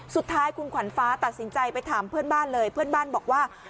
สุดท้ายคุณขวัญฟ้าตัดสินใจไปถามเพื่อนบ้านเลยเพื่อนบ้านบอกว่า